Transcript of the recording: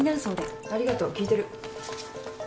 ありがとう聞いてる。